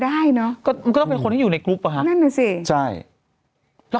ได้เนอะก็มันก็ต้องเป็นคนที่อยู่ในกรุ๊ปอ่ะฮะนั่นน่ะสิใช่แล้ว